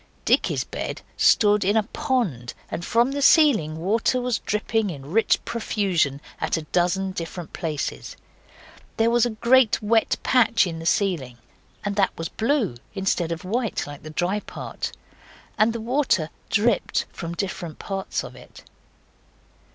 Dicky's bed stood in a pond, and from the ceiling water was dripping in rich profusion at a dozen different places. There was a great wet patch in the ceiling, and that was blue, instead of white like the dry part, and the water dripped from different parts of it.